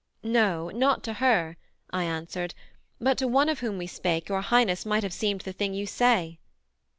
'No not to her,' I answered, 'but to one of whom we spake Your Highness might have seemed the thing you say.'